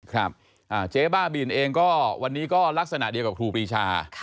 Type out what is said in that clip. ครับเจ๊บ้าบินเองก็วันนี้ก็ลักษณะเดียวกับครูปรีชา